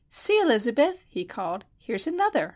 "See, Elizabeth," he called. "Here's another!